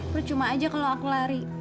percuma aja kalau aku lari